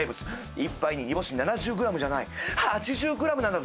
１杯に煮干し７０ｇじゃない８０ｇなんだぜ！